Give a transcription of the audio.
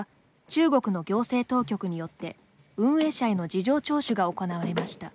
中国の行政当局によって運営者への事情聴取が行われました。